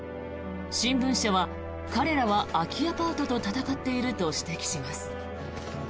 新聞社は、彼らは空きアパートと戦っていると指摘します。